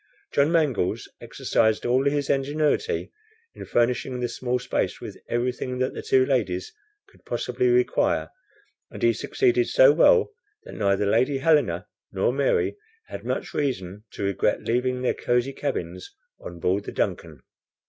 John Mangles exercised all his ingenuity in furnishing the small space with everything that the two ladies could possibly require, and he succeeded so well, that neither Lady Helena nor Mary had much reason to regret leaving their cosy cabins on board the DUNCAN.